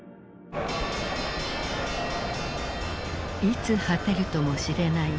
いつ果てるともしれない